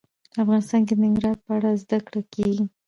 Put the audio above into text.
افغانستان کې د ننګرهار په اړه زده کړه کېږي.